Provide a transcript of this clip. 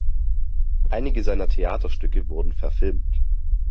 Einige seiner Theaterstücke wurden verfilmt.